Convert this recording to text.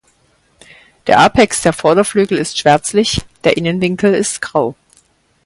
Der Apex der Vorderflügel ist schwärzlich, der Innenwinkel ist grau.